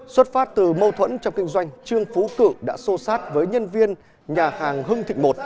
xuất phát từ mâu thuẫn trong kinh doanh trương phú cự đã xô sát với nhân viên nhà hàng hưng thịnh một